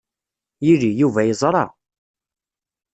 Yili, Yuba yeẓṛa.